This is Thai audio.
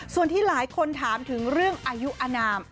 ส่วนที่หลายคนถามถึงเรื่องอายุอนาม